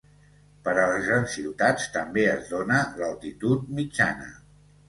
Per a les grans ciutats, també es dóna l'altitud mitjana.